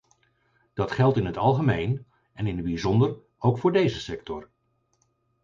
Dat geldt in het algemeen, en in het bijzonder ook voor deze sector.